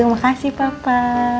terima kasih papa